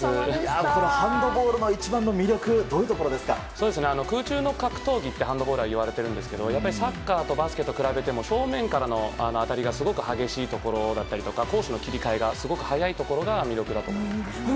ハンドボールの一番の魅力は空中の格闘技ってハンドボールはいわれていますがやっぱりサッカーやバスケと比べても正面からの当たりがすごく激しいところだったりとか攻守の切り替えが早いところが魅力だと思います。